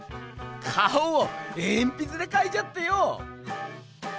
顔をえんぴつで描いちゃってよぉ！